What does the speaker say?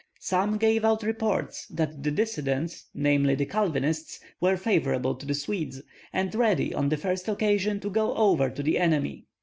Some gave out reports that the dissidents, namely the Calvinists, were favorable to the Swedes, and ready on the first occasion to go over to the enemy.